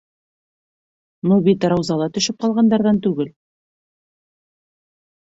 Ну бит Рауза ла төшөп ҡалғандарҙан түгел!